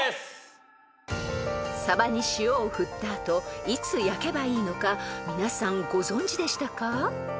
［サバに塩を振った後いつ焼けばいいのか皆さんご存じでしたか？